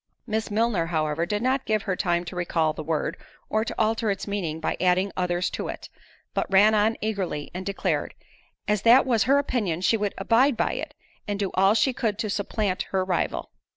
Miss Milner, however, did not give her time to recall the word, or to alter its meaning by adding others to it, but ran on eagerly, and declared, "As that was her opinion, she would abide by it, and do all she could to supplant her rival."